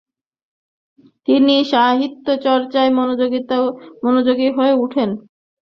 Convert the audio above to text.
তিনি সাহিত্যচর্চায় মনোযোগী হয়ে ওঠেন।